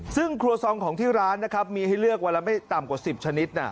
ซึ่งครัวซองของที่ร้านนะครับมีให้เลือกวันละไม่ต่ำกว่า๑๐ชนิด